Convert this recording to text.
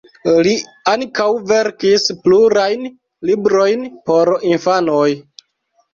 Li ankaŭ verkis plurajn librojn por infanoj.